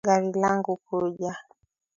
Gari langu kuja